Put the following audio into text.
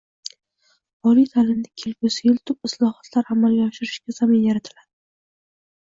Oliy ta’limda kelgusi yil tub islohotlar amalga oshirishga zamin yaratiladi